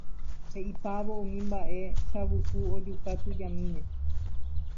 He'ipávo umi mba'e Chavuku ojuka tujamíme.